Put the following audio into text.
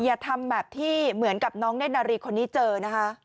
อย่าทำแบบที่เหมือนกับน้องเน่นนารีคนนี้เจอนะคะ